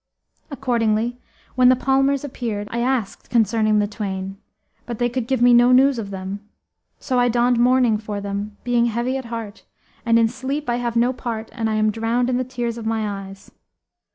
Accordingly, when the palmers appeared I asked concerning the twain, but they could give me no news of them; so I donned mourning for them, being heavy at heart, and in sleep I have no part and I am drowned in the tears of my eyes."